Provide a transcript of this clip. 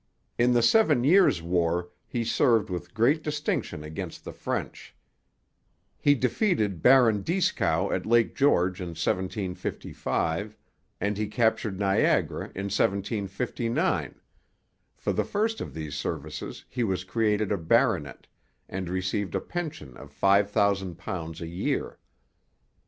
In the Seven Years' War he served with great distinction against the French. He defeated Baron Dieskau at Lake George in 1755, and he captured Niagara in 1759; for the first of these services he was created a baronet, and received a pension of 5,000 pounds a year.